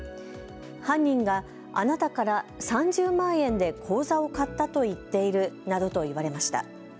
犯人があなたから３０万円で口座を買ったと言っているなどと言われました。